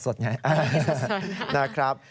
สดนะครับ